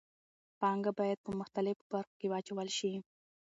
پانګه باید په مختلفو برخو کې واچول شي.